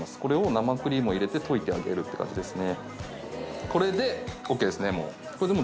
生クリームを入れて溶いてあげるって感じですね。